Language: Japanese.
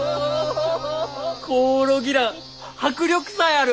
コオロギラン迫力さえある！